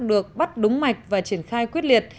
được bắt đúng mạch và triển khai quyết liệt